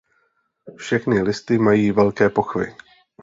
Všechny listy mají velké pochvy.